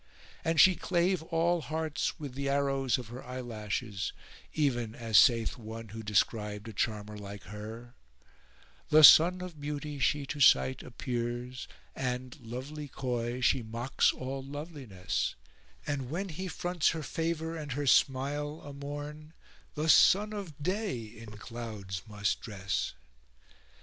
And she clave all hearts with the arrows of her eyelashes, even as saith one who described a charmer like her:— The sun of beauty she to sight appears * And, lovely coy, she mocks all loveliness; And when he fronts her favour and her smile * A morn, the Sun of day in clouds must dress.